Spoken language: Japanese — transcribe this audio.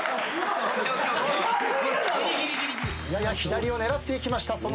やや左を狙っていきました